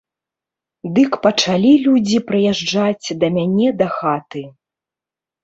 Дык пачалі людзі прыязджаць да мяне дахаты.